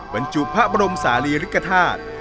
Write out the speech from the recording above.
บรรจุพระบรมศาลีริกฐาตุ